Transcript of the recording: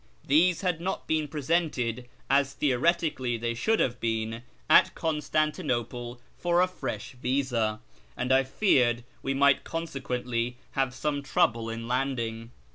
These had not been presented, as theoretically they should have been, at Constantinople for a fresh visa, and I feared we might consequently have some trouble in landing.